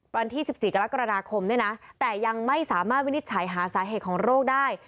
วันที่๑๔กรกฎาคมเนี่ยนะแต่ยังไม่สามารถวินิจฉัยหาสาเหตุของโรคได้